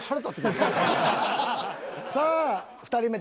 さあ２人目